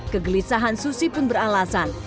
kegelisahan susi pun beralasan